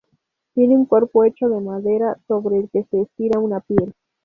Tiene un cuerpo hecho de madera sobre el que se estira una piel.